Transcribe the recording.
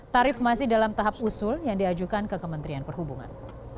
tarif masih dalam tahap usul yang diajukan ke kementerian perhubungan